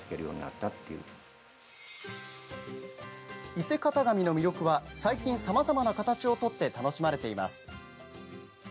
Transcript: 伊勢型紙の魅力は最近さまざまな形を取って楽しまれています。